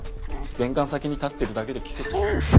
玄関先に立ってるだけで奇跡だ。